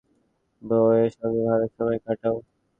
বৌয়ের সঙ্গে ভালো সময় কাটাও।